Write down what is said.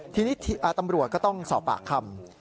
ทีนี้ตำรวจก็ต้องสอบปากคำ